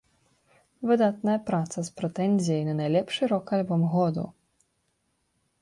Выдатная праца з прэтэнзіяй на найлепшы рок-альбом году.